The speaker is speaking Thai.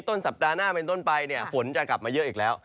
ต้นสัปดาห์หน้าเป็นต้นไปเนี่ยฝนจะกลับมาเยอะอีกแล้ว